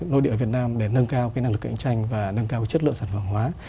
nội địa việt nam để nâng cao cái năng lực cạnh tranh và nâng cao cái chất lượng sản phẩm hóa